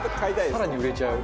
更に売れちゃう。